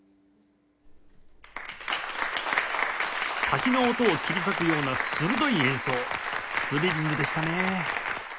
滝の音を切り裂くような鋭い演奏スリリングでしたね